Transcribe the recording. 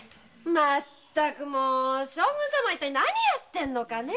まったく将軍様は何やってんのかね。